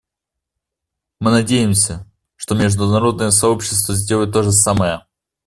Мы надеемся, что международное сообщество сделает то же самое.